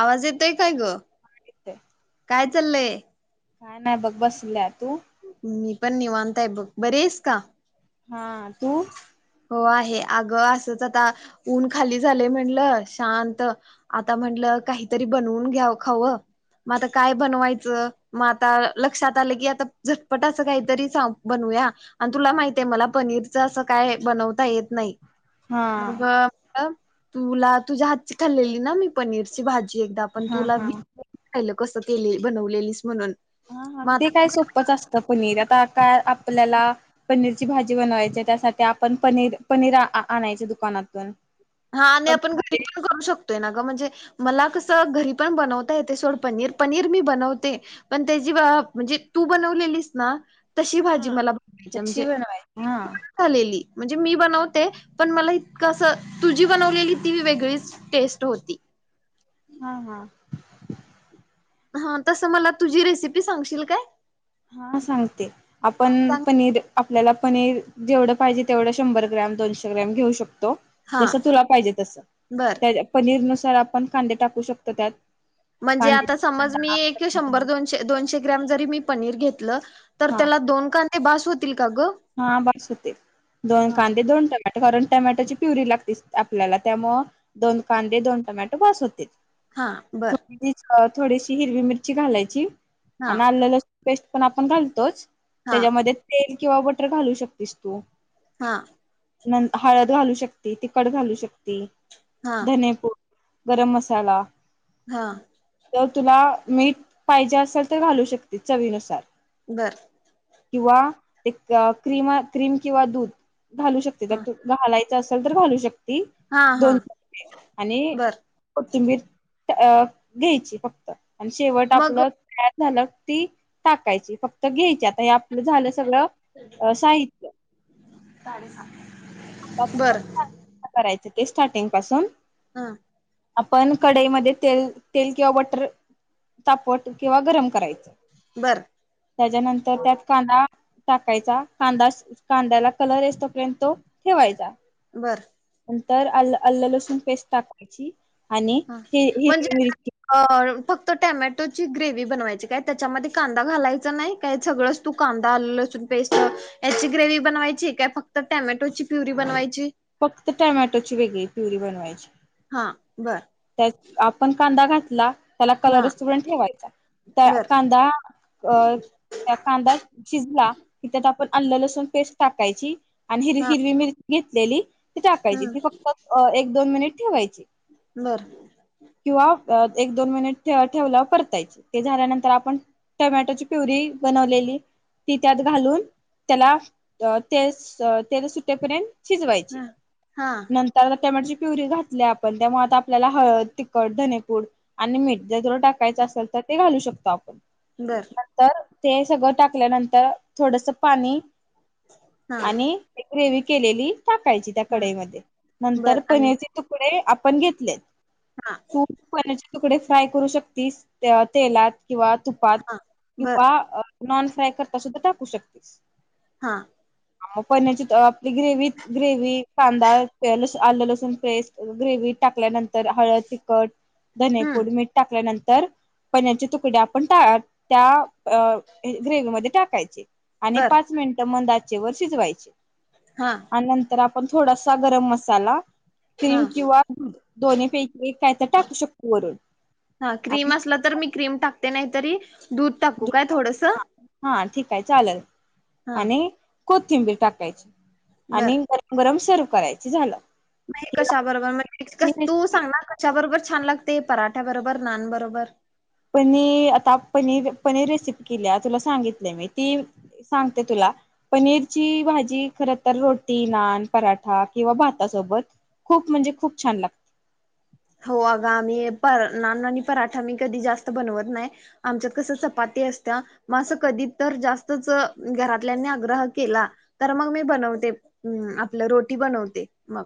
आवाज येतय? काय ग! मराठीत हाय. काय चालले? काय नाय बघ बसल्याय. तू? हं मी पन निवांत हाय बघ. बरी हाईस कां? हा. तू? हो आहे अग असंच आता ऊन खाली झाले म्हटलं शांत आता म्हटलं काहीतरी बनवून घ्याव खावं मग आता काय बनवायचं मग आता लक्षात आलं की आता झटपट असं काहीतरी बनवूया आणि तुला माहित आहे, मला पनीरच असं काय?.. बनवता येत नाही. मग हा.. म्हटलं तुला तुझ्या हातची खाल्लेली ना मी! पनीरची भाजी. ची एकदा पन हा तुला हा मी खाल्लं कस केलेली, बनवलेलीस म्हणून. हा. हा. मग ते आता काय बघूया सोपच असत पनीर आता काय आपल्याला पनीरची भाजी बनवायची त्यासाठी आपण पनीर, पनीर आणायच दुकानातून... हा, आणि पण आपण घरी मध्ये पण करू शकतोय ना? म्हणजे मला कस घरी पण बनवता येते सोड पनीर पनीर मी बनवते पण त्याची म्हणजे तू बनवलेलीस ना! तशी भाजी हा मला कशी बनवायची हा [unintelligible] झालेली. म्हणजे मी बनवते. पण मला इतकं असं.. तुझी बनवलेली ती वेगळीच टेस्ट होती. हा हा. हा तसं मला तुझी रेसिपी सांगशील काय? हा सांगते हा, आपण सांग पनीर, आप याला पनीर जेवढं पाहिजे तेवढं शंभर ग्रॅम दोनशे ग्रॅम घेऊ शकतो. तो हा जस तुला पायजे तसं. बर त्या पनीरपासून... तर आपन कांदे टाकू शकतो त्यात. म्हणजे कांदे आता समज मी कांदा एक शंभर दोनशे, दोनशे ग्रॅम जरी पनीर घेतलं. तर हा त्याला दोन का ते बास होतील. का ग हा बास होतील. दोन हा कांदे [unintelligible] कारण टमॅटोची प्युरी लागते आपल्याला त्यामुळ दोन कांदे, दोन टमॅटो बास होतील. हा, बर [inaudible] थोडीशी हिरवी मिरची घालायची. हा आणि आल, लसु पेस्ट पण आपण घालतोच. हा त्याच्यामध्ये तेल किंवा ब टर घालू शकतेस तू हा. न हळद घालू शकती, तिखट घालू शकती. हा धनेपुड गरम मसााला. हा. तुला मीठ पाहिजे असेल तर घालू शकती चवीनुसार. बरं किंवा एक क्रीमा क्रीम किंवा दूध घालू शकते हा तर घाला असेल तर घालू शक ती हा हा दोन आणि बर कोथिंबीर अ घ्यायची फक्त आणि शेवट मग आपलं झालं. ती टाकायची फक्त घ्यायची आता हे आपलं झालं सगळं साहित्य चालेल सांग [unintelligible] करायचं ते स्टार्टिंग पासून हा आपण कढाईमध्ये तेल तेल किंवा बटर तापवट किंवा गरम करायचं बर त्याच्यानंतर त्यात कांदा टाकायचा कांदा कांद्याला कलर येईस तोपर्यंत तो ठेवायचा बरं नंतर अ ल्ल अल्ल लसूण पेस्ट टाकायची आणि हा हि हिरवी म्हणजे मिरची अ फक्त टॅमॅटोची ग्रेव्ही बनवायची काय, त्याच्यामध्ये कांदा घालायच नाही काय? सगळंच तू कांदा आ लसूून पेस्ट याची ग्रेव्ही बनवायची काय, फक्त टॅमॅटोची प्युरी बनवायची? फक्त टमॅटोची वेगळी प्युरी बनवायची? हा बर त्यात आपण कांदा घा ला त्याला हा कलरच तळून ठेवायचा त्या बर कांदा अ त्या कांदा शिजला की त्या पण अल््लसूण पेस्ट टाकायची. आणि हिरवी हा हिरवी मिर घेतलेली ती टाकायची हम् ती फक्त दोन मिनिट ठेवायचे बर किंवा एक दोन महिन ठेवला परतायची ते झाल्यानंतर आपण टोमॅटोची पिवरी बनवलेली ती त्यात घालून त्याला ते तेल सुटेपर्यंत शिजवायची हा हा नंतर त्या म्हणजे प्युरी घातल्या आपण त्यामुळे आता आपल्याला हळद तिखट धनेपूड आणि मीठ जर टाकायं असेल तर ते घालू शको त आपण बर तर ते सगळं टाकल्यानंतर थोडस पाणी हा आणि ग्रेवी केलेली टाकायची त्या हा कडईमध्ये नंतर बर आणि पनचे तुकडे पण घेतलेत हा तू तुकडे फ्राय करू शकतीस तेलात किंवा तुपात हा बर किंवा अ नॉन फ्राय करता सुद्धा टाकू शकतेस हा पण्याची आपली ग्रेवत ग्रेव कांदा आलं लसूण पेस् ग्रेवत टाकल्या तर हळद तिखट हम्म धनीपूड मीठ टाकल्यानंतर तर पनरचे तुकडे आपण त्या ग्रेवीमध्ये टाकायचे आणि बर पाच मिनट म वर्षीच व्हायचे हा आणिनंतर आप पण थोडासा गरम मसाला हा क्रीम किंवा दोन फे म काय तर टाकू शकतो वरून आ्ही ते नाहीतरी दूध टाकू काय थोडस हा ठीक आहे चालेल हा आणि कोथिंबीर टाकायची आणि गरम गरम सर् करायची झालं म ही कशा बरोबर म्हणजे ची तू रेसिपी सांगणार कशाबरोबर छान लागते पराठ्या बरोबर नान बरोबर पनी आता पनीर पनीर रेसिपी केली तुला सांगितले मी ती सांगते तुला पनीरची भाजी खर तर रोटी नान पराठा किंवा भातासोबत खूप म्हणजे खूप छान लागते [unintelligible] हो अग आम्ही पर ना पराठा मी कधी जास्त बनवत नाही आमच्या कस चपाती असत्या मग असं कधी तर जास्तच घरातल्यांनी आग्रह केला तर मग मी बनवते आपलं रोटी बनवते मग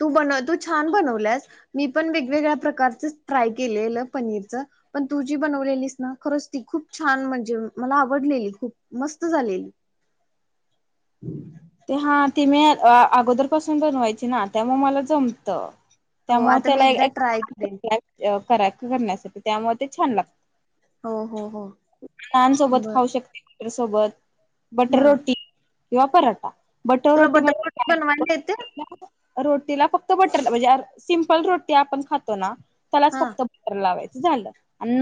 तू बन तू छान बनवल्यास मी पण वेगवेगळ्या प्रकारच ट्राय केलेलं पनीरच पण तू जी बनवलेलीस ना खरच ती खूप छान म्हणजे मला आवडलेली खूप मस्त झालेली ते हा ते मी अगोदर पासून बनवायची ना त्यामुळे मला जमतं हो त्यामुळे आता मी एकदा ट्राय करेन त्याला कराय करण्यासाठी त्यामुळे ते छान लागत हो हो हो नानसोबत बर खाऊ शकते सोबत बटर हा रोटी किंवा पराठा बटर तुला रोटी म्हणजे बनवायला येते का रोटीला फक्त बटर म्हणजे सिम्पल रोटी आपण खातो ना त्यालाच हा फक्त बर लावायचं झा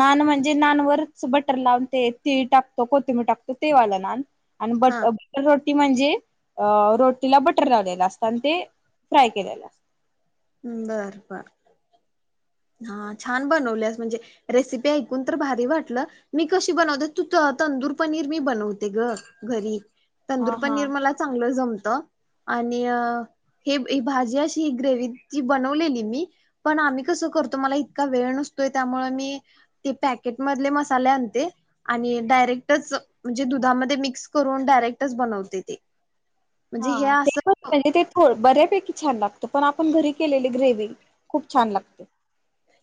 नान म्हणजे नावरट लावून ते ती टकतो कोथिंबर टाकतो तेवाला नान आणि बट हा बटर रट ी म्हणजे अ रोटीला बटर लावलेला असत आणि ते फ्राय केलेलं असत हबरप हा छान बनवलेस म्हणजे रेसिपी ऐकून तर भारी वाटलं मी कशी बनवते तू तंदूर पनीर मी बनवते ग घरी तंदूर हा हा पनीर मला चांगलं जमत भाजी अ ग्रे बनवली मी पण आम करतो मला इत वेळ नसतोय त्यामुळे मी ते पॅकेट मध मसाले आणते आणि डायरेक्टच म्हणजे दुधामध्ये मिक्स करून डायरेक्टच बनवते ते म्हणजे हे हा ते असं पण म्हणजे तेो बऱ्यापैकी छान लागत तर पण आपण घरी केलेली ग्रेव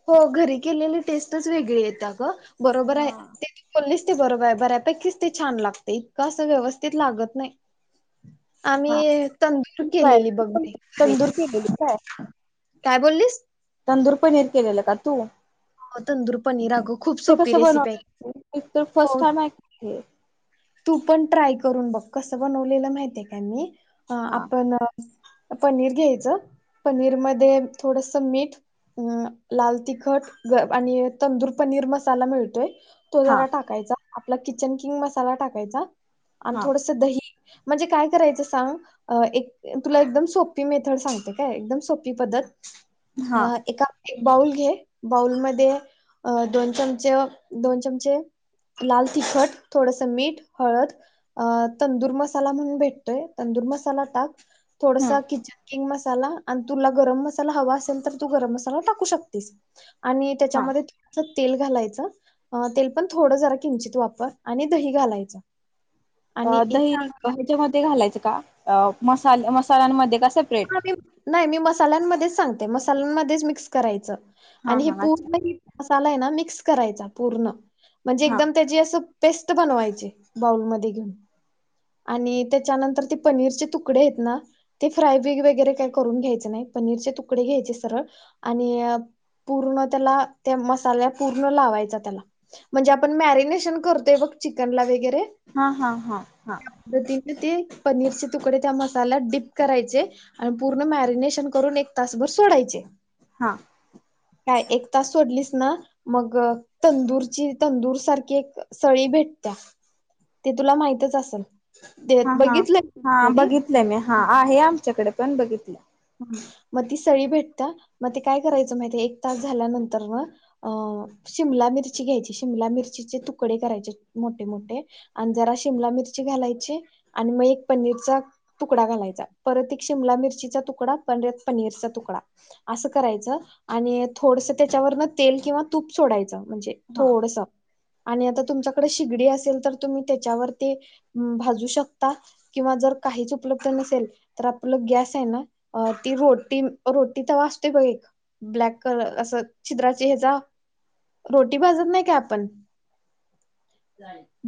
हो घरी केलेली टेस्टच वेगळी येत ग बरोबर आहे हा ते तू बोलस बरोबर आहे बऱ्यापैकीच ते छान लागते इतकं असं व्यवस्थित लागत नाही हा आम्ही तंदूर तू काय केलेली तू बघ पण मी घरी तंदूर केलेली काय काय बोलीस तंदूर पनीर केलेलं का तू तंदूर पनीर अगं खूप ते सोपी कस रेसिपी आहे बनवल मी तर फर्स्ट हो टाइम आयीक हम् तू पण ट्राय करून बघ कस बनवलेलं माहितीये काय मी हा आपण पनीर घ्यायचं पनीर मध्ये थोडस मीठ आ.. लाल तिखट ग.. आणि तंदूर पनीर मसाला मिळतोय. तो हा जरा टाकायचा, आपला किचन किंग मसाला टाक. कायचा आणि हा थोडंस दही म्हणजे काय करायचं सांग अ.. एक तुला एकदम सोपी मेथड सांगते काय एकदम सोपी पद्धत हा एका एक बाऊल घे बाऊल मध्ये अ.. दोन चमच दोन चमचे लाल तिखट थोडसं मीठ हळद अ.. तंदूर मसाला म्हणून भेटतोय तंदूर मसाला टाक थोडसा हम्म किचन किंग मस साला आणि तुला गरम मसाला हवा असेल तर तू गरम मसाला टाकू शकतिस. आणि हा त्याच्यामध्ये च तेल घालायचं अ.. तेल पण थोडं जरा किंचित वापर आणि दही घालायचं अ.. आणि दही हे ह्याच्यामध्ये घालायचं का अ.. मसाले मसाल्यांमद्ये नाही मी मसाल्यांमध्येच सांग ते मसाल्यांमध्येच मिक्स करायचं. हा आणि हे हा अच्छा पूर्ण मसालाय ना मी मिक्स करायचा पूर्ण म्हणजे हा एकदम त्याची असं, पेस्ट बनवायचि बाउलमध्ये घेऊन आणि त्याच्यानंतर ते पनीरचे तुकडे आहेत ना ते फ्राय बि वगैरे का करून घ्यायच नाही पनीरचे तुकडे घ्यायचे सरळ आणि पूर्ण त्याला त्या मसाल्या पूर्ण लावायचा त्याला म्हणजे आपण मॅरनेशन करतोय बघ चिकनला वगैरे हा हा हा हा पद्धतीने ते पनीरचे तुकडे त्या मसाल्यात डिप करायचे आणि पूर्ण मॅरिनेशन करून एक तासभर सोडायचे हा. काय एक तास सोडलीस ना मग तंदूरची तंदूर सारखी एक सळी भेटत्या ते तुला माहितच असल. ते हा हा बघितलंय कधी च्याकडे पण बघितलं. मग ती सळी भेटत्या मग ती काय करायचं माहितीये एक तास झाल्यानंतर म शिमला मिरची घ्यायची शिमला मिरचीचे तुकडे करायचे मोठे मोठे आणि जरा शिमला मिरची घालायची आणि मग एक पनीरचा तुकडा घालायचा परत एक शिमला मिरचीचा तु तुकडा पनीर पनीरचा तुकडा असं करायचं आणि थोडसं त्याच्यावरन तेल किंवा तूप सोडायचं. म्हणजे हा थोडसं आणि आता तुमच्याकडे शिगडी असेल तर तुम्ही त्याच्यावरती भाजू शकता किंवा जर काहीच उपलब्ध नसेल तर आपलं गॅस आहे ना. अ ती रोटी रोटी तर वाजतेय बघ एक ब्लॅक कलर अस छिद्राची हचा रोटी भाजत नाही का आपण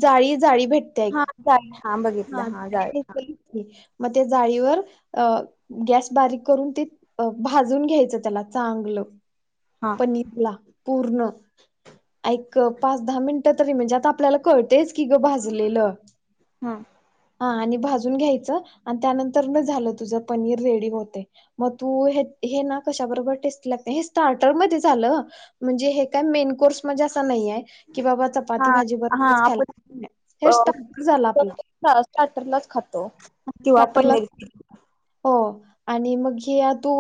जाळी जाळी भेट - हा चालेल. हा मग त्या जाळीवर गॅस बारीक करून ते भाजून घ्यायचं त्याला चांगलं. हा पण इतला पूर्ण ऐक पाच दहा मिनिटं तरी म्हणजे आता आपल्याला कळतेच की ग भाजलेलं. हम हा आणि भाजून घ्यायचं आणि त्यानंतर न झालं तुझं पनीर रेडी होते मग तू हे हे ना कशा बरोबर टेस्टी लागते हे स्टार्टर मध्ये झालं म्हणजे हे काय मेन कोर्समध्येणे असा नाही आहे. कि बाबा चपाती हा भाजी हा बरोबरच खायला हे स्टार्ट झाल. स्टारटरलाच खातो किंवा स्टार्टरला पनीर. हो आणि मग हे तू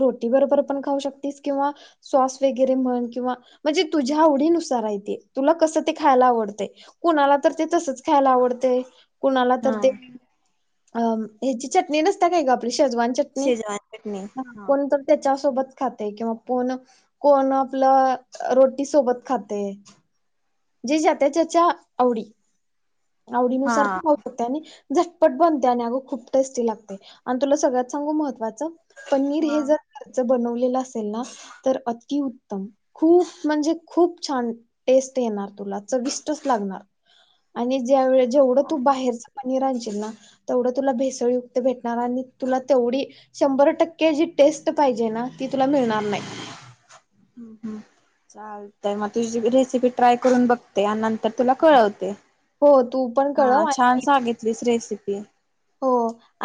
रोटी बरोबर पण खाऊ शकतेस किंवा सॉस वगैरे म्हण किंवा म्हणजे तुझ्या आवडीनुसार आहे ते तुला कसं ते खायला आवडतंय कुणाला तर ते तसच खायला आवडतय. कुणाला हा तर ते - अ ह्याची चटणी नसता काय ग आपली? शेजवान चटणी शेजवान चटणी हा कोण त सोबत खाते किंवा कोण कोण आपलं रोटी सोबत खातय. जी ज त्याच्याच्या आवडी. हा आवडीनुसार तर पाऊ त्यानी झटपट बनते आणि अगं खूप टेस्टी लागते आणि तुला सगळ्यात सांगू महत्त्वाचं? पनीर हा हे जर घरच बनवल केलं असेल ना तर अती उत्तम खूप म्हणजे खूप छान टेस्ट येणार ततुला चविष्ट च लागणार. आणि ज्यावेळ जेवढं हा तू बाहेर पनीरांची ना तेवढं तुला भेसळी युक्त भेटणार आणि तुला तेवढी शंभर टक्के जी टेस्ट पाहिजे ना ती तुला मिळणार नाही. ह् हम् चालतय मग तुझी रेसिपी ट्राय करून बघते आणि नंतर- तुला कळवते हो तू पण कळव हा छान आणि सांगितलीस रेसिपी. [unintelligible] हो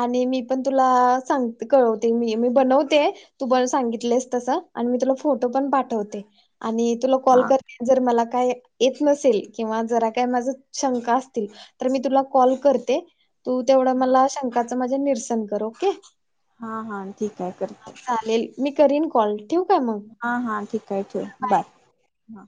आणि मी पण तुला सांग कळवते मी मी बनवते तू प सांगितलेस तस आणि मी तुला फोटो पण पाठवते आणि तुला कॉल हा करे जर मला काय - येत नसेल किंवा जरा काही माझ्या शंका असतील तर मी तुला कॉल करते तू तेवढा मला शंका - माजे निरसन करो ओके? हा हा ठीक आहे करत आहे. चालेल मी करीन कॉल ठेवू काय मग हा हा ठीक हाय ठेव बाय हा